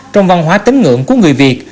trong văn hóa tính ngưỡng của người việt